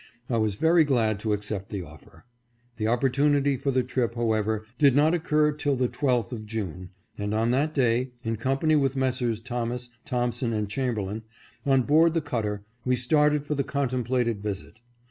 I was very glad to accept the offer. The opportunity for the trip however did not oc cur till the 12th of June, and on that day, in company with Messrs. Thomas, Thompson, and Chamberlain, on board the cutter, we started for the contemplated visit.